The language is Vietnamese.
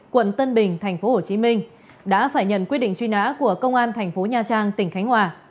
quận tân bình tp hcm đã phải nhận quyết định truy nã của công an thành phố nha trang tỉnh khánh hòa